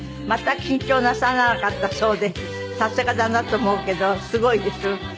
全く緊張なさらなかったそうでさすがだなと思うけどすごいです。